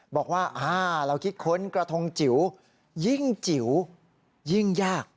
บอกว่าเราคิดค้นกระทงจิ๋วยิ่งจิ๋วยิ่งยาก